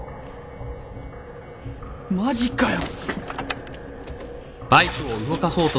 マジかよ。